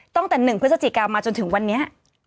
ตั้งแต่๑พฤศจิกามาจนถึงวันนี้